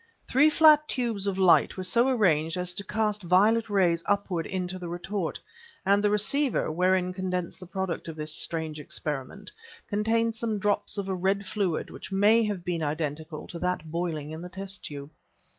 Three flat tubes of light were so arranged as to cast violet rays upward into the retort, and the receiver, wherein condensed the product of this strange experiment, contained some drops of a red fluid which may have been identical with that boiling in the test tube.